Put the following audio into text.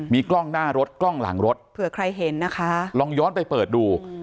มีกล้องหน้ารถกล้องหลังรถลองย้อนไปเปิดดู